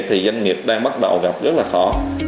thì doanh nghiệp đang bắt đầu gặp rất là khó